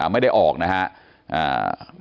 ไม่ได้ออกนะครับ